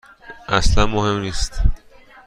اصلا مهم نیست.